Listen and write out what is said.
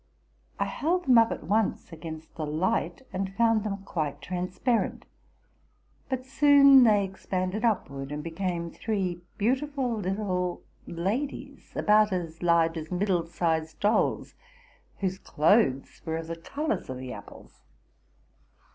I held them up at once against the light, and found them quite transparent ; but soon they expanded upward, and became three beautiful little ladies about as large as middle sized dolls, whose clothes were of the colors of the apples.